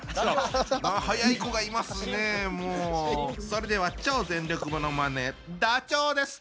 それでは超全力ものまねダチョウです！